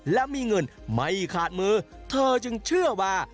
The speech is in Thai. และมีเงินไม่ขาดมือเธอจึงเชื่อว่า